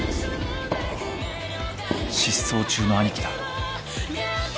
失踪中の兄貴だ。